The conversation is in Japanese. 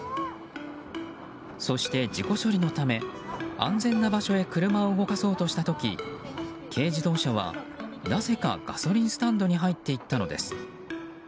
そして、事故処理のため安全な場所へ車を動かそうとした時軽自動車はなぜかガソリンスタンドに入っていったのです。